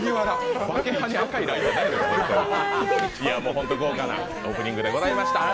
本当に豪華なオープニングでございました。